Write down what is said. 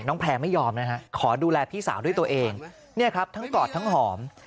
แพร่ไม่ยอมนะฮะขอดูแลพี่สาวด้วยตัวเองเนี่ยครับทั้งกอดทั้งหอม